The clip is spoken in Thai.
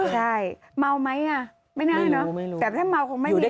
ใช่มาวไหมอ่ะไม่น่านะแต่ถ้ามาวคงไม่มีแรง